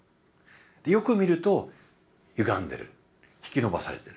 よく見るとゆがんでる引き伸ばされてる。